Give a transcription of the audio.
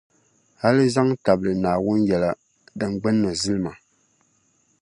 hali zaŋ tabili Naawuni yɛla din gbinni zilima.